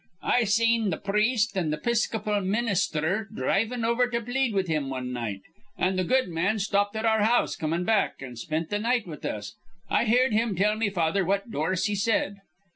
I seen th' priest an' th' 'Piscopal ministher dhrivin' over to plead with him wan night; an' th' good man stopped at our house, comin' back, an' spent th' night with us. I heerd him tell me father what Dorsey said.